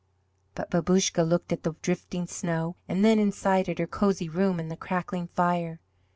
But Babouscka looked at the drifting snow, and then inside at her cozy room and the crackling fire.